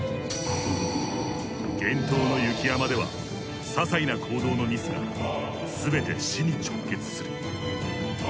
厳冬の雪山では些細な行動のミスが全て死に直結する。